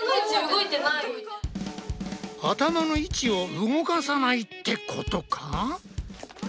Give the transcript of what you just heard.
頭の位置を動かさないってことか？